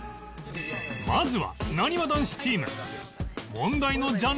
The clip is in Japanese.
まずはなにわ男子チーム